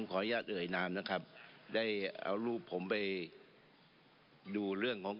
ขออนุญาตเอ่ยนามนะครับได้เอารูปผมไปดูเรื่องของ